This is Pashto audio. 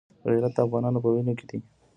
غیرت د افغانانو په وینو کې دی.